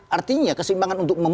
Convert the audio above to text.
artinya keseimbangan untuk memutuskan